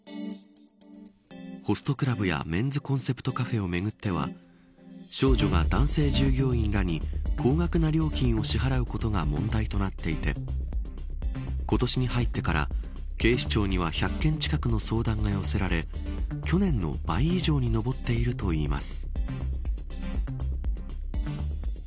ホストクラブやメンズコンセプトカフェをめぐっては少女が男性従業員らに高額な料金を支払うことが問題となっていて今年に入ってから警視庁には１００件近くの相談が寄せられ去年の倍以上に上っているといいます。